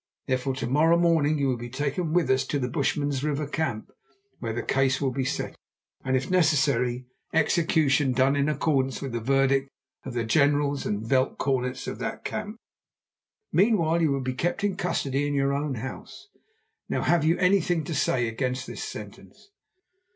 Therefore to morrow morning you will be taken with us to the Bushman's River camp, where the case will be settled, and, if necessary, execution done in accordance with the verdict of the generals and veld cornets of that camp. Meanwhile you will be kept in custody in your own house. Now have you anything to say against this sentence?"